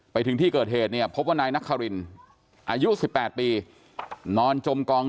ไปถึงที่เกิดเหตุเนี่ยพบว่านายนครินอายุ๑๘ปีนอนจมกอง